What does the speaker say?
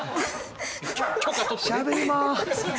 「しゃべります」